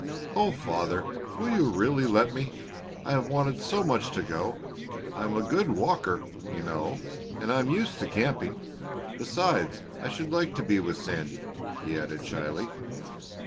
"Oh, father! Will you really let me? I have wanted so much to go! I am a good walker, you know, and I am used to camping. Besides, I should like to be with Sandy," he added shyly.